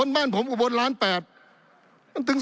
มันตึง๒๖๐๐๐๐